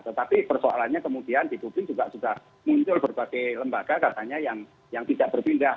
tetapi persoalannya kemudian di publik juga sudah muncul berbagai lembaga katanya yang tidak berpindah